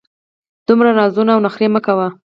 دومره نازونه او نخرې مه کوه!